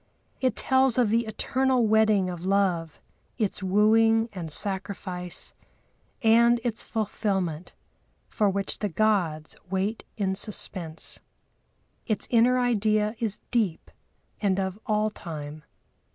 It tells of the eternal wedding of love, its wooing and sacrifice, and its fulfilment, for which the gods wait in suspense. Its inner idea is deep and of all time.